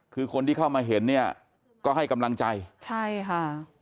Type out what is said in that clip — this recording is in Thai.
คือคนที่เข้ามาเห็นเนี่ยก็ให้กำลังใจใช่ค่ะ